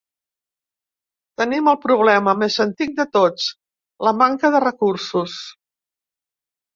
Tenim el problema més antic de tots, la manca de recursos.